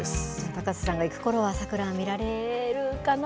高瀬さんが行くころは、桜は見られるかな？